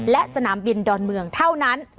และสนามบินดอนเมืองเท่านั้น